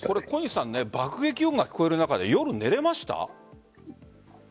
小西さん爆撃音が聞こえる中で夜、寝れました？